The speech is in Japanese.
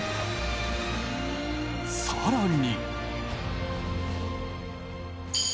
更に。